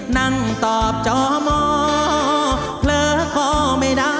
นั่งตอบจอมอเผลอก็ไม่ได้